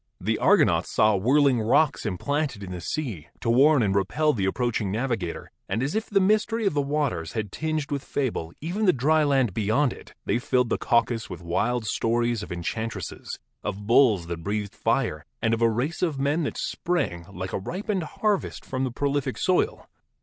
The Argonauts saw whirling rocks implanted in the sea, to warn and repel the approaching navigator, and as if the mystery of the waters had tinged with fable even the dry land beyond it, they filled the Caucasus with wild stories 16 GEOLOGY of enchantresses, of bulls that breathed fire and of a race of men that sprang, like a ripened harvest, from the pro lific soil.